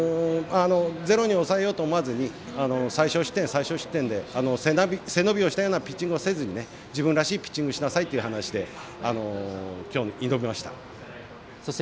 ゼロに抑えようと思わず最少失点で、背伸びをしたようなピッチングをせずに自分らしいピッチングをしなさいときょうを挑みました。